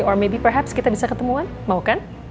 or mabe perhaps kita bisa ketemuan mau kan